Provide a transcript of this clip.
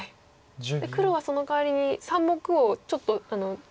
黒はそのかわりに３目をちょっと。